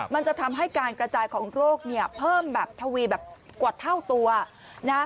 มันจะทำให้การกระจายของโรคเนี่ยเพิ่มแบบทวีแบบกว่าเท่าตัวนะ